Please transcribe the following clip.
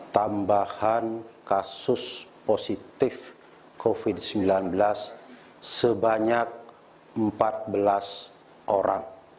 tambahan kasus positif covid sembilan belas sebanyak empat belas orang